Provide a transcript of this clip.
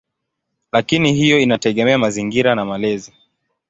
Lakini hiyo inategemea mazingira na malezi.